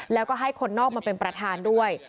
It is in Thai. แล้วก็ให้คนนอกมาเป็นประธานด้วย